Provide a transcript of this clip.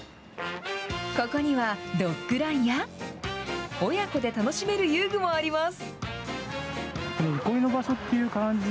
ここには、ドッグランや親子で楽しめる遊具もあります。